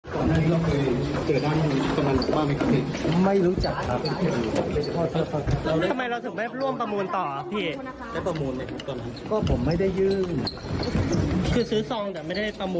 ครับโทษครับอ่าโทษนะครับโทษครับ